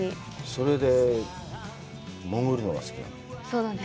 それで潜るのが好きなの？